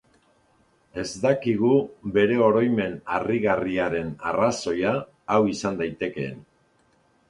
Ez dakigu bere oroimen harrigarriaren arrazoia hau izan daitekeen.